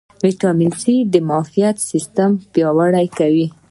ویټامین سي د معافیت سیستم پیاوړی کوي